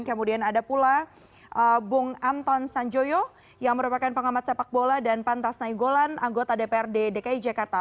kemudian ada pula bung anton sanjoyo yang merupakan pengamat sepak bola dan pantas nainggolan anggota dprd dki jakarta